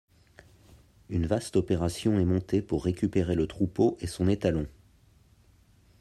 Une vaste opération est montée pour récupérer le troupeau et son étalon.